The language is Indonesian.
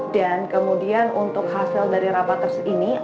dan kemudian untuk hasil dari rapat tersebut ini